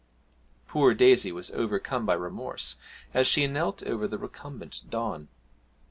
Poor Daisy was overcome by remorse as she knelt over the recumbent Don.